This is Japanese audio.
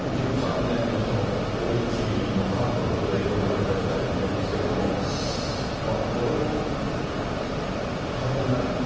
２０１３年の大雪の関東の映像をご覧いただきたいと思いますけれども、これも、大変な。